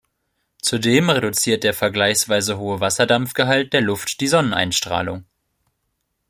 Zudem reduziert der vergleichsweise hohe Wasserdampfgehalt der Luft die Sonneneinstrahlung.